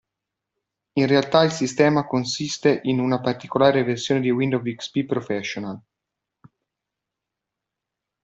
In realtà il sistema consiste in una particolare versione di Windows XP Professional.